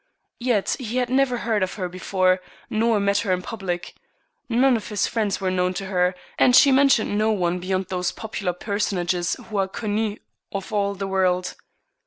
Yet he had never heard of her before, nor met her in public. None of his friends were known to her, and she mentioned no one beyond those popular personages who are connu of all the world.